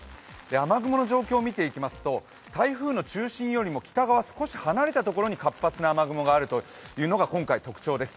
雨雲の状況を見ていきますと、台風の中心よりも北側、少し離れたところに活発な雨雲があるというのが今回、特徴です。